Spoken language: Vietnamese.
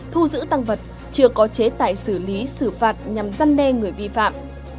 thu giữ tăng vật chưa có chế tài xử lý xử phạt nhằm giăn đe người vi phạm